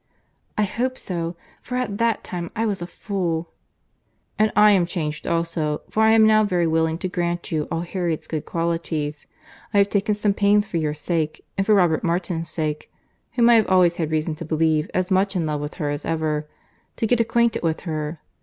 "I hope so—for at that time I was a fool." "And I am changed also; for I am now very willing to grant you all Harriet's good qualities. I have taken some pains for your sake, and for Robert Martin's sake, (whom I have always had reason to believe as much in love with her as ever,) to get acquainted with her.